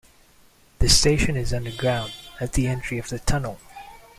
The station is underground, at the entry of the tunnel.